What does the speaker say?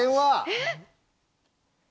えっ！